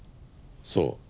そう。